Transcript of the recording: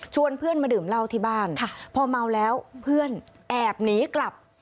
เพื่อนมาดื่มเหล้าที่บ้านพอเมาแล้วเพื่อนแอบหนีกลับ